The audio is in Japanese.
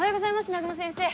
南雲先生